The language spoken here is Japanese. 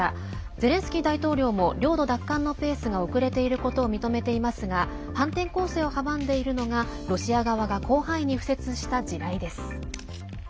ゼレンスキー大統領も領土奪還のペースが遅れていることを認めていますが反転攻勢を阻んでいるのがロシア側が広範囲に敷設した地雷です。